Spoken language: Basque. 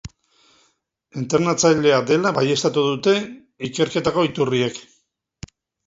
Entrenatzailea dela baieztatu dute ikerketako iturriek.